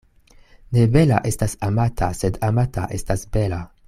Ne bela estas amata, sed amata estas bela.